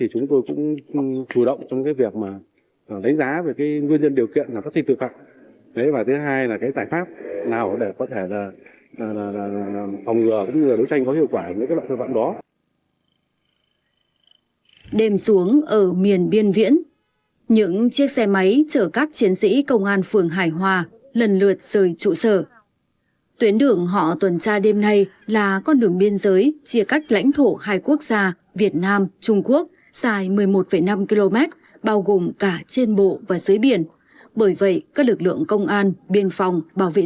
chúng tôi đã tiến hành tăng cường